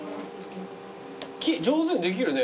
上手にできるね。